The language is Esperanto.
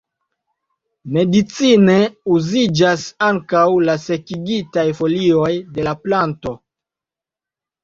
Medicine uziĝas ankaŭ la sekigitaj folioj de la planto.